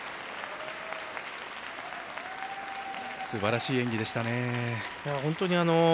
すばらしい演技でしたね。